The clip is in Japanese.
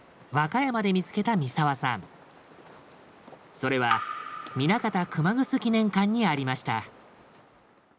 それは南方熊楠記念館にありました。